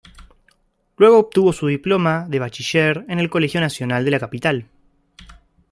Luego obtuvo su diploma de bachiller en el Colegio Nacional de la Capital.